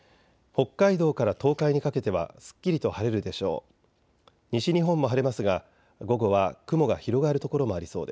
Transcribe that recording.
北海道から東海にかけてはすっきりと晴れるでしょう。